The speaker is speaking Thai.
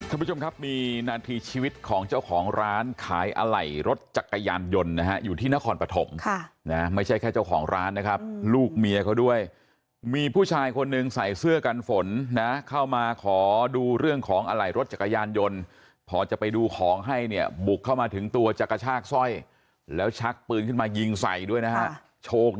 คุณผู้ชมครับมีนาทีชีวิตของเจ้าของร้านขายอะไหล่รถจักรยานยนต์นะฮะอยู่ที่นครปฐมค่ะนะไม่ใช่แค่เจ้าของร้านนะครับลูกเมียเขาด้วยมีผู้ชายคนหนึ่งใส่เสื้อกันฝนนะเข้ามาขอดูเรื่องของอะไหล่รถจักรยานยนต์พอจะไปดูของให้เนี่ยบุกเข้ามาถึงตัวจะกระชากสร้อยแล้วชักปืนขึ้นมายิงใส่ด้วยนะฮะ